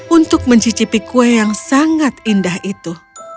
untuk mencicipi kue yang sangat indah itu